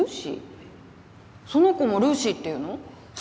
その子もルーシーっていうの？